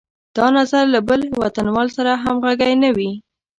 دا نظر له بل وطنوال سره همغږی نه وي.